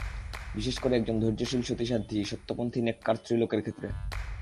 বিশেষ করে একজন ধৈর্যশীল সতী-সাধ্বী, সত্যপন্থী নেককার স্ত্রী লোকের ক্ষেত্রে।